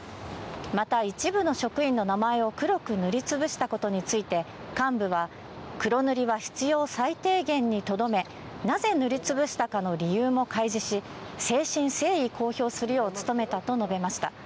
また、一部の職員の名前を黒く塗りつぶしたことについて、幹部は、黒塗りは必要最低限にとどめ、なぜ塗りつぶしたかの理由も開示し、誠心誠意公表するよう努めたと述べました。